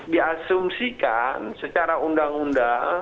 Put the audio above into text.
diasumsikan secara undang undang